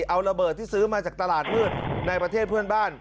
เอาระเบิดที่ซื้อมาจากตลาดมืดในประเทศเพื่อนบ้าน